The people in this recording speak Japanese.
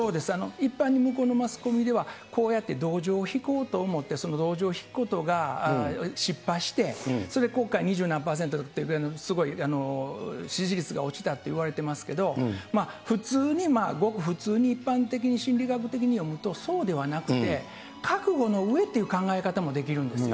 一般に向こうのマスコミでは、こうやって同情を引こうと思って、その同情を引くことが失敗して、それで今回、二十何％というすごい支持率が落ちたっていわれていますけれども、普通に、ごく普通に一般的に心理学的に読むとそうではなくて、覚悟の上っていう考え方もできるんですね。